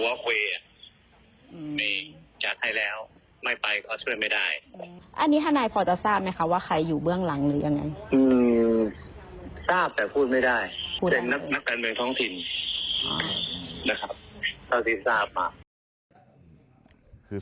ว่าทราบแต่พูดไม่ได้แต่นักการเมืองท้องถิ่นนะครับขั้นออกมา